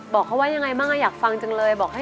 บอกเขาว่ายังไงบ้างอะอยากฟังจังเลย